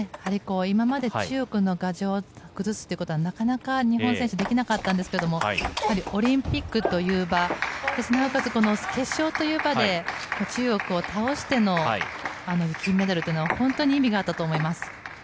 今まで中国の牙城を崩すということは、なかなか日本選手できなかったんですがやっぱりオリンピックという場なおかつ、決勝という場で中国を倒しての金メダルというのは本当に意味があったと思います。